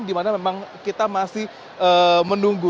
di mana memang kita masih menunggu